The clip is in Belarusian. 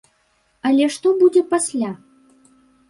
Але што будзе пасля?